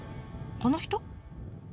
この人？